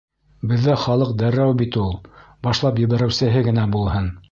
— Беҙҙә халыҡ дәррәү бит ул, башлап ебәреүсеһе генә булһын.